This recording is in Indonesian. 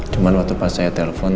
cuma waktu pas saya telepon